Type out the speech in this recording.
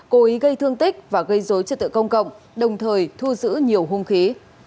cố ý gây thương tích và gây dối trật tự công cộng đồng thời thu giữ nhiều hung khí